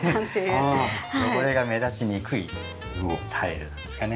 汚れが目立ちにくいタイルなんですかね。